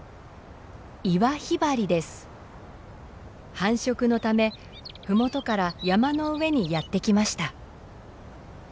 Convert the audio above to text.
繁殖のため麓から山の上にやって来ました。